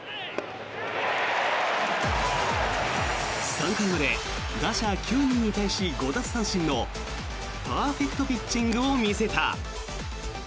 ３回まで打者９人に対し５奪三振のパーフェクトピッチングを見せた。